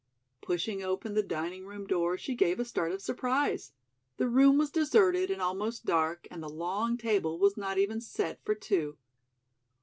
Pushing open the dining room door, she gave a start of surprise. The room was deserted and almost dark, and the long table was not even set for two.